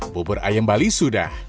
bubur ayam bali sudah